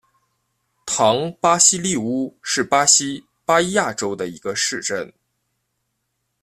唐巴西利乌是巴西巴伊亚州的一个市镇。